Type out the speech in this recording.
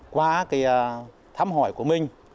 qua thăm hỏi của mình